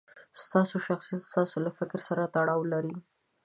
ستاسو شخصیت ستاسو له فکر سره تړاو لري.